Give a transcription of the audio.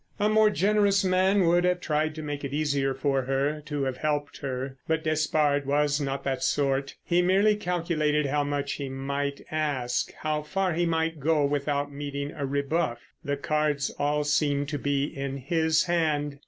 A more generous man would have tried to make it easier for her, to have helped her. But Despard was not that sort. He merely calculated how much he might ask, how far he might go without meeting a rebuff. The cards all seemed to be in his hand.